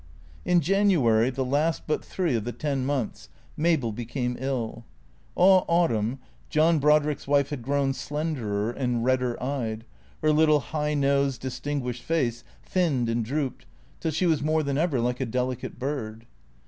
In January, the last but three of the ten months, Mabel be came ill. All autumn John Brodrick's wife had grown slenderer and redder eyed, her little high nosed, distinguished face thin ned and drooped, till she was more than ever like a delicate bird.